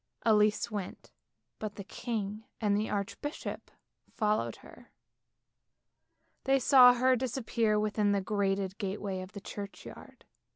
Elise went, but the king and the archbishop followed her, they saw her disappear within the grated gateway of the church yard.